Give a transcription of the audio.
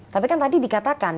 tapi kan tadi dikatakan